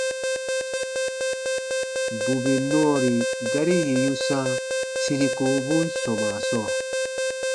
Bù bè nɔɔri gari yì yu sãa siri kowobun sɔmaa sɔɔ,